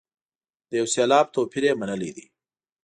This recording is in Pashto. د یو سېلاب توپیر یې منلی دی.